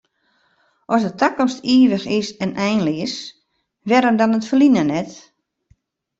As de takomst ivich is en einleas, wêrom dan it ferline net?